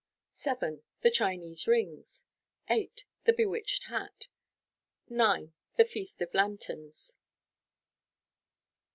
7. The Chinese Rings. 8. The Bewitched Hat 9. The Feast of Lanterns.